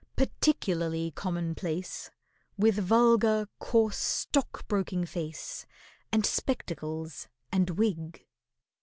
Particularly commonplace, With vulgar, coarse, stockbroking face, And spectacles and wig.